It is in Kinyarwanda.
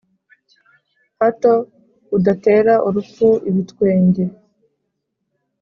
hato udatera urupfu ibitwenge